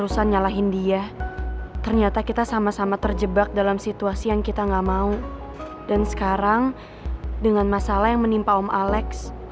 sekarang dengan masalah yang menimpa om alex